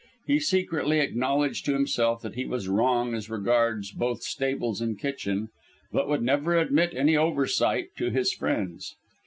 He secretly acknowledged to himself that he was wrong as regards both stables and kitchen, but would never admit any oversight to his friends.